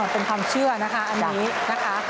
เป็นความเชื่อนะคะอันนี้นะคะ